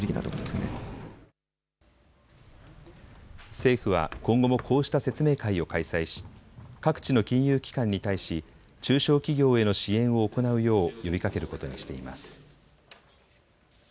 政府は今後もこうした説明会を開催し各地の金融機関に対し中小企業への支援を行うよう呼びかけることにしています。